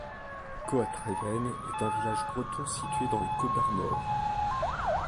Coatréven est un village breton situé dans les Côtes-d'Armor.